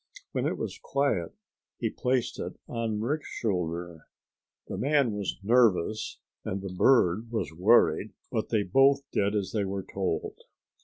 When it was quiet he placed it on Rick's shoulder. The man was nervous and the bird was worried, but they both did as they were told.